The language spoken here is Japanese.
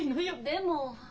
でも。